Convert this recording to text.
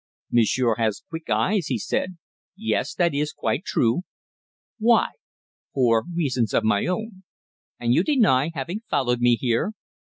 "Monsieur has quick eyes," he said. "Yes, that is quite true." "Why?" "For reasons of my own." "And you deny having followed me here?"